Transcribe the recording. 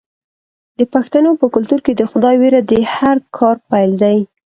د پښتنو په کلتور کې د خدای ویره د هر کار پیل دی.